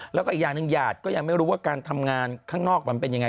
แล้วก็อีกอย่างหนึ่งหยาดก็ยังไม่รู้ว่าการทำงานข้างนอกมันเป็นยังไง